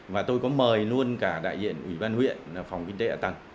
và tôi có mời luôn cả đại diện ủy ban huyện phòng kinh tế hạ tầng